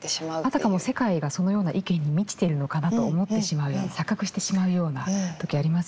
あたかも世界がそのような意見に満ちているのかなと思ってしまうような錯覚してしまうような時ありますよね。